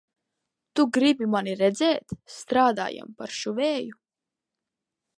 Tu gribi mani redzēt, strādājam par šuvēju?